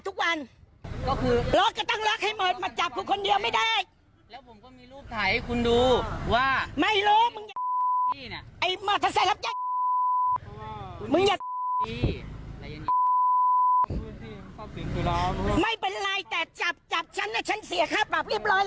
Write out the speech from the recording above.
รู้หรือป่าจิทยาปายุธปราวิตกูด่าทุกวัน